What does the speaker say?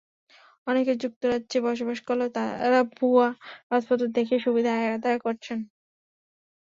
অনেকে যুক্তরাজ্যে বাস করলেও তাঁরা ভুয়া কাগজপত্র দেখিয়ে সুবিধা আদায় করছেন।